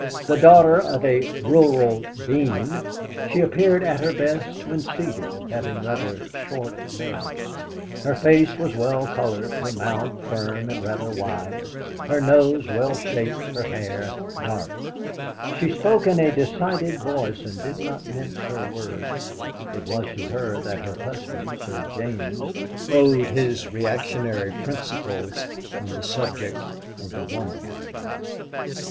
The daughter of a Rural Dean, she appeared at her best when seated, having rather short legs. Her face was well coloured, her mouth, firm and rather wide, her nose well shaped, her hair dark. She spoke in a decided voice, and did not mince her words. It was to her that her husband, Sir James, owed his reactionary principles on the subject of woman.